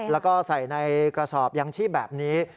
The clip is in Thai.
แล้วก็ใส่ในกระสอบยังชีพแบบนี้